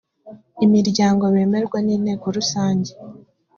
imiryango bemerwa n inteko rusange